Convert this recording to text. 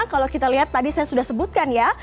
kalau kita lihat tadi saya sudah sebutkan ya